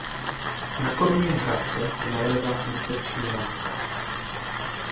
Na koruně hráze se nalézá inspekční lávka.